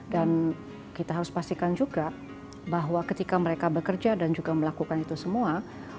dan kita harus pastikan juga bahwa ketika mereka bekerja dan juga melakukan itu semua